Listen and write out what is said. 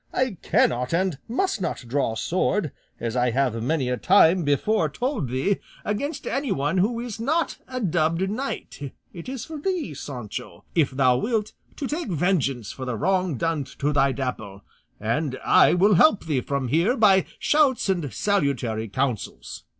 I cannot and must not draw sword, as I have many a time before told thee, against anyone who is not a dubbed knight; it is for thee, Sancho, if thou wilt, to take vengeance for the wrong done to thy Dapple; and I will help thee from here by shouts and salutary counsels."